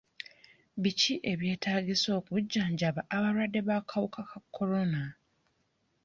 Biki ebyetaagisa okujjanjaba abalwadde b'akawuka ka kolona?